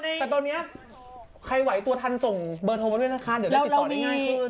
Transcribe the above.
แต่ตอนนี้ใครไหวตัวทันส่งเบอร์โทรมาด้วยนะคะเดี๋ยวได้ติดต่อได้ง่ายขึ้น